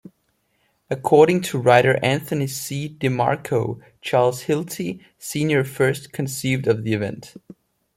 According to writer Anthony C. DiMarco, Charles Hilty, Senior first conceived of the event.